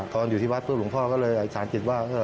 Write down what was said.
ตอนอยู่ที่วัดพระหลงพ่อก็เลยสารจิตว่า